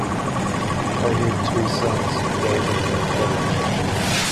They had two sons, David and Filip.